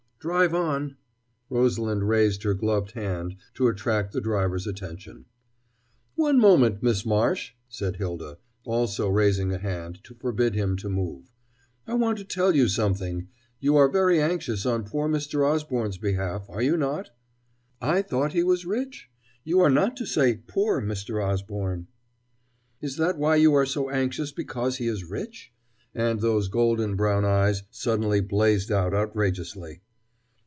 "Drive on " Rosalind raised her gloved hand to attract the driver's attention. "One moment, Miss Marsh," said Hylda, also raising a hand to forbid him to move; "I want to tell you something You are very anxious on poor Mr. Osborne's behalf, are you not?" "I thought he was rich? You are not to say 'poor Mr. Osborne.'" "Is that why you are so anxious, because he is rich?" and those golden brown eyes suddenly blazed out outrageously.